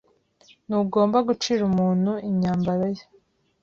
Ntugomba gucira umuntu imyambaro ye.